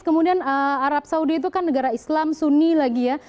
kemudian arab saudi itu kan negara islam sunni lagi ya